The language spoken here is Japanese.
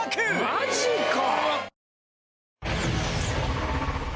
マジか。